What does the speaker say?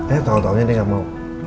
eh tau taunya nih gak mau